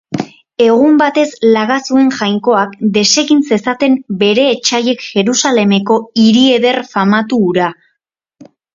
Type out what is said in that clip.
Egun batez laga zuen jainkoak desegin zezaten bere etsaiek Jerusalemeko hiri eder famatu hura.